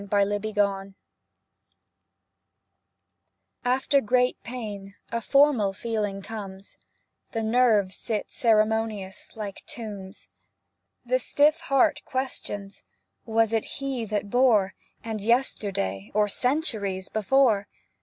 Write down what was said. • CL VIII • /\FTER great pain a formal feeling comes — The nerves sit ceremonious like tombs ; The stiff Heart questions — was it He that bore ? And yesterday — or centuries before?